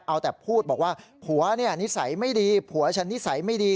เอาแต่พูดบอกว่าผัวเนี่ยนิสัยไม่ดีผัวฉันนิสัยไม่ดี